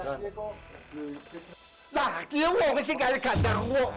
lah dia wong sih kayak gandar wong